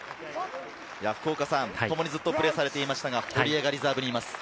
ともにずっとプレーされていましたが、堀江がリザーブにいます。